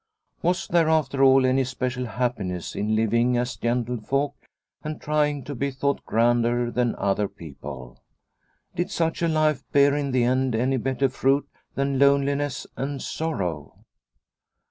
Was there after all any special happiness in living as gentlefolk and trying to be thought grander than other people ? Did such a life bear in the end any better fruit than loneliness and sorrow